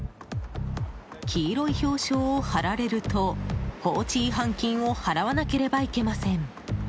黄色い標章を貼られると放置違反金を払わなければいけません。